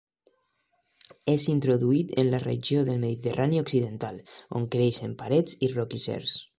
És introduït en la regió del Mediterrani Occidental, on creix en parets i roquissers.